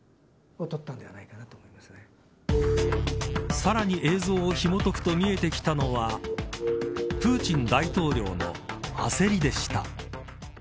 さらに映像をひもとくと見えてきたのはプーチン大統領の焦りでした。